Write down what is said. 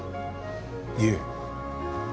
いえ。